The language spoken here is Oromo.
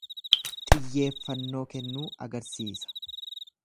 Xiyyeeffannoo kennuu agarsiisa.